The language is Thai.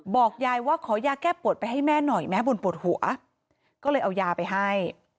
บอกยายว่าขอยาแก้ปวดไปให้แม่หน่อยแม่บุญปวดหัวก็เลยเอายาไปให้